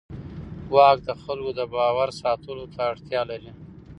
واک د خلکو د باور ساتلو ته اړتیا لري.